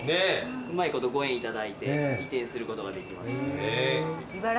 うまいことご縁いただいて移転することができました。